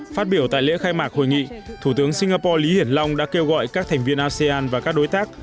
phát biểu tại lễ khai mạc hội nghị thủ tướng singapore lý hiển long đã kêu gọi các thành viên asean và các đối tác